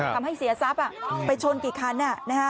ทำให้เสียทรัพย์ไปชนกี่คัน